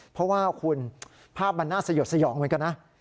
เพราะว่าคุณภาพมันน่าสยดสยองเหมือนกันนะ